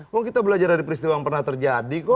kok kita belajar dari peristiwa yang pernah terjadi kok